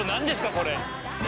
これ。